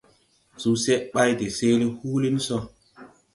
Suseʼ bày de seele huulin so.